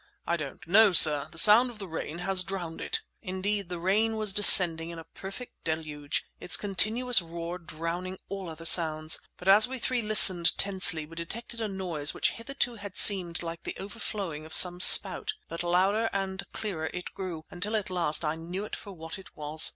"I don't know, sir; the sound of the rain has drowned it." Indeed, the rain was descending in a perfect deluge, its continuous roar drowning all other sounds; but as we three listened tensely we detected a noise which hitherto had seemed like the overflowing of some spout. But louder and clearer it grew, until at last I knew it for what it was.